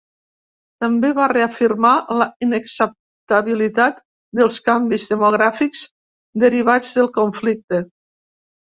També va reafirmar la inacceptabilitat dels canvis demogràfics derivats del conflicte.